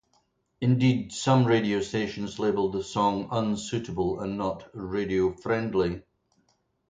Indeed, some radio stations labelled the song 'unsuitable' and not 'radio-friendly'.